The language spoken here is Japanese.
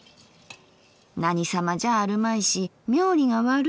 『なに様じゃあるまいし冥利が悪いよ。